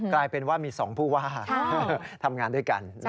กลายเป็นว่ามี๒ผู้ว่าทำงานด้วยกัน